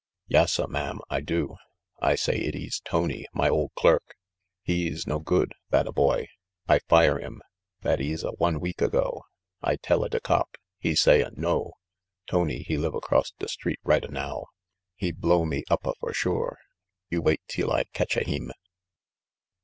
"Yassa, ma'am, I do. I say it ees Tony, my ol' clerk. He ees no good, that a boy. I fire 'im. That ees a one week ago. I tell a da cop; he say a no. Tony, he live across da street right a now. He blow me up a for sure. You wait teel I catch a heem